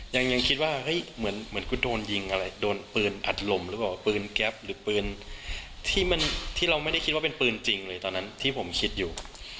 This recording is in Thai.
ยังคิดว่าเฮ้ยเหมือนกูโดนยิงอะไรโดนปืนอัดลมหรือเปล่าปืนแก๊ปหรือปืนที่เราไม่ได้คิดว่าเป็นปืนจริงเลยตอนนั้นที่ผมคิดอยู่